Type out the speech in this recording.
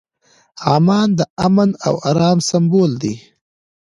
عمان د امن او ارام سمبول دی.